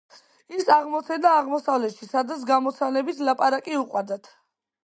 ის აღმოცენდა აღმოსავლეთში, სადაც გამოცანებით ლაპარაკი უყვარდათ.